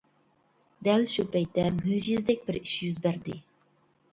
دەل شۇ پەيتتە مۆجىزىدەك بىر ئىش يۈز بەردى.